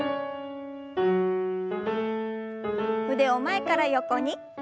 腕を前から横に。